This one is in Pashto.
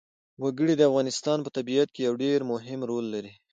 وګړي د افغانستان په طبیعت کې یو ډېر مهم رول لري.